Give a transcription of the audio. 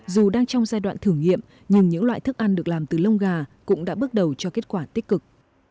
dù đang trong giai đoạn thử nghiệm nhưng những loại thức ăn được làm từ lông gà cũng đã bước đầu cho kết quả tích cực